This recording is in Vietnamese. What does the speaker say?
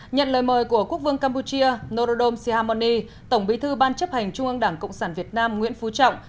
nhận lời mời của quốc vương campuchia norodom sihamoni tổng bí thư ban chấp hành trung ương đảng cộng sản việt nam nguyễn phú trọng